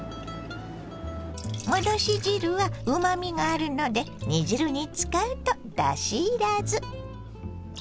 戻し汁はうまみがあるので煮汁に使うとだしいらず。